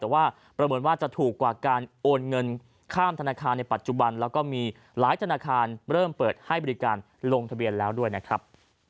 แต่ว่าประเมินว่าจะถูกกว่าการโอนเงินข้ามธนาคารในปัจจุบันแล้วก็มีหลายธนาคารเริ่มเปิดให้บริการลงทะเบียนแล้วด้วยนะครับ